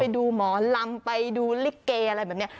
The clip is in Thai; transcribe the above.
หมอลำไปดูลิเกอะไรแบบนี้